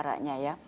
nah makanya akhirnya